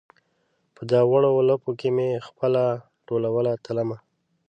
په دواړ ولپو کې مې خپله ټولوله تلمه